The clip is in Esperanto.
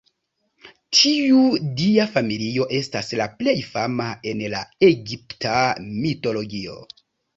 Tiu dia familio estas la plej fama en la egipta mitologio.